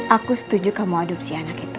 aku setuju kamu adopsi anak itu